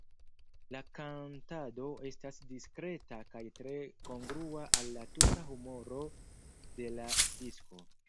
La kantado estas diskreta kaj tre kongrua al la tuta humoro de la disko.